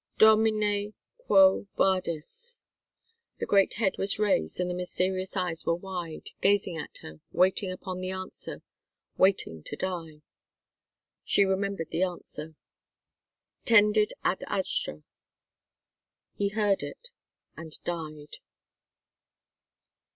"Domine quo vadis?" The great head was raised, and the mysterious eyes were wide, gazing at her, waiting upon the answer, waiting to die. She remembered the answer. "Tendit ad astra." He heard it, and died.